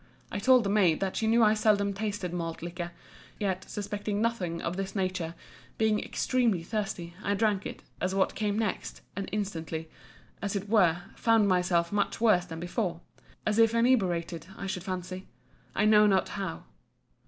I told the maid, that she knew I seldom tasted malt liquor: yet, suspecting nothing of this nature, being extremely thirsty, I drank it, as what came next: and instantly, as it were, found myself much worse than before: as if inebriated, I should fancy: I know not how.